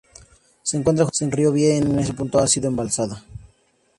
Se encuentra junto al río Vie, que en ese punto ha sido embalsado.